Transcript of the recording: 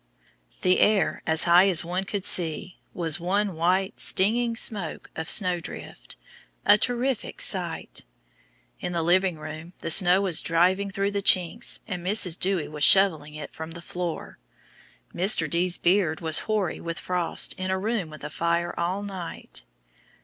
The air, as high as one could see, was one white, stinging smoke of snowdrift a terrific sight. In the living room, the snow was driving through the chinks, and Mrs. Dewy was shoveling it from the floor. Mr. D.'s beard was hoary with frost in a room with a fire all night.